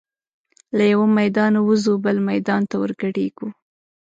له یوه میدانه وزو بل میدان ته ور ګډیږو